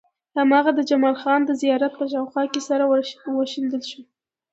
هماغه د جمال خان د زيارت په شاوخوا کې سره وشيندل شو.